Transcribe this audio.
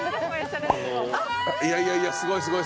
いやいやすごいすごい。